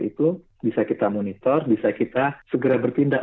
itu bisa kita monitor bisa kita segera bertindak